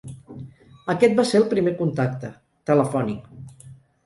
Aquest va ser el primer contacte, telefònic.